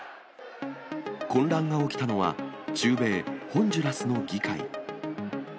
混乱が起きたのは、中米ホンジュラスの議会。